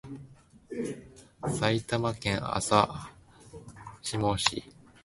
埼玉県朝霞市